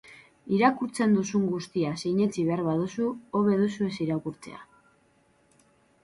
Irakurtzen duzun guztia sinetsi behar baduzu, hobe duzu ez irakurtzea.